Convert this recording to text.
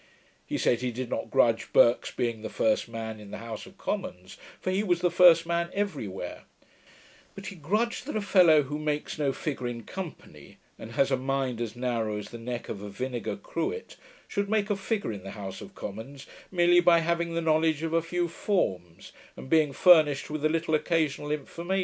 He said, he did not grudge Burke's being the first man in the House of Commons, for he was the first man every where; but he grudged that a fellow who makes no figure in company, and has a mind as narrow as the neck of a vinegar cruet, should make a figure in the House of Commons, merely by having the knowledge of a few forms, and being furnished with a little occasional information.